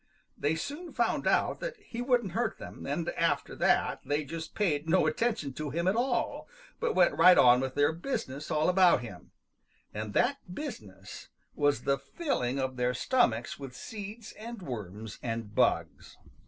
They soon found out that he wouldn't hurt them, and after that they just paid no attention to him at all, but went right on with their business all about him, and that business was the filling of their stomachs with seeds and worms and bugs.